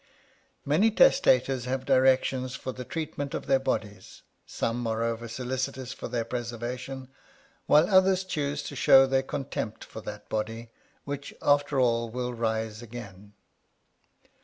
Many testators leave directions for the treatment of their bodies : some are over solicitous for their preservation, whilst others choose to show their con tempt for that body, which, after all, will rise again.